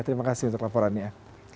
terima kasih untuk laporannya